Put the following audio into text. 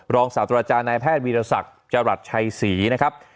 รองศาสตร์อาจารย์นายแพทย์วิทยาลัยศักดิ์จรัสชัยศรีนะครับ